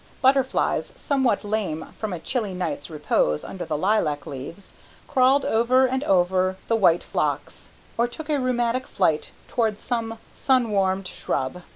Butterflies, somewhat lame from a chilly night's repose under the lilac leaves, crawled over and over the white phlox, or took a rheumatic flight toward some sun warmed shrub.